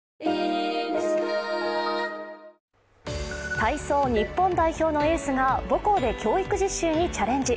体操・日本代表のエースが母校で教育実習にチャレンジ。